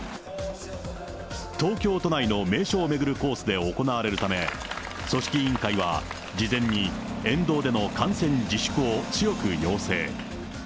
東京都内の名所を巡るコースで行われるため、組織委員会は事前に沿道での観戦自粛を強く要請。